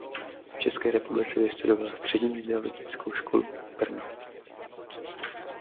V České republice vystudovala Střední zdravotnickou školu Brno.